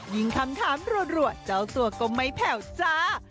คำถามรัวเจ้าตัวก็ไม่แผ่วจ้า